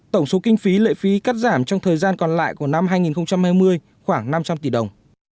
tổng số kinh phí lệ phí cắt giảm trong thời gian còn lại của năm hai nghìn hai mươi khoảng năm trăm linh tỷ đồng